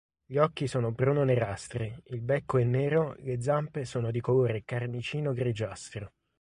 Gli occhi sono bruno-nerastri, il becco è nero, le zampe sono di colore carnicino-grigiastro.